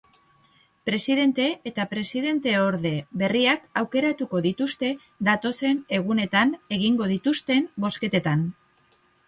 Presidente eta presidenteorde berriak aukeratuko dituzte datozen egunetan egingo dituzten bozketetan.